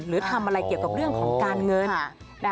หรือทำอะไรเกี่ยวกับเรื่องของการเงิน